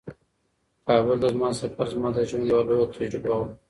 کابل ته زما سفر زما د ژوند یوه لویه تجربه وه.